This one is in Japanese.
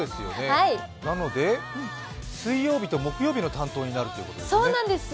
なので、水曜日と木曜日の担当になるということですね？